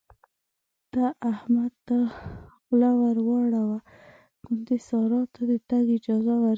ته احمد ته خوله ور واړوه ګوندې سارا ته د تګ اجازه ورکړي.